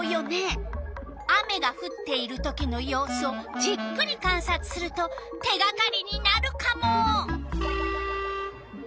雨がふっているときのようすをじっくりかんさつすると手がかりになるカモ！